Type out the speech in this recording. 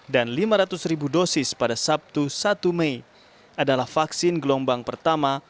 dan lima ratus dosis pada sabtu satu mei adalah vaksin gelombang pertama